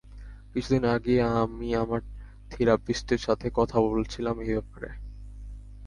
কিছুদিন আগেই আমি আমার থিরাপিস্টের সাথে কথা বলছিলাম এই ব্যাপারে।